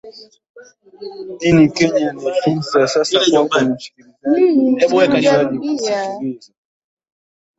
ini kenya ni fursa sasa kwako mshikilizaji kusikiliza